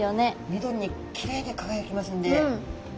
緑にきれいにかがやきますんで。